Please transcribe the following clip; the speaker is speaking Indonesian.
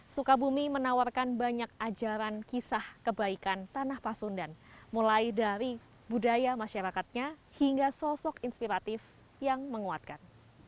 sukabumi menawarkan banyak ajaran kisah kebaikan tanah pasundan mulai dari budaya masyarakatnya hingga sosok inspiratif yang menguatkan